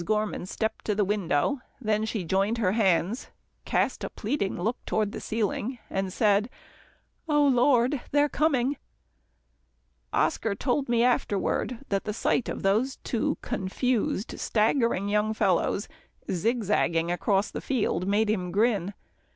Gorman stepped to the window, then she joined her hands, cast a pleading look toward the ceiling and said, "Oh, Lord they're coming." Oscar told me afterward that the sight of those two confused, staggering young fellows zig zagging across the field made him grin.